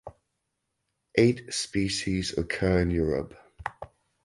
Eight species occur in Europe.